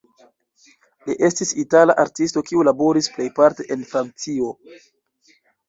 Li estis itala artisto kiu laboris plejparte en Francio.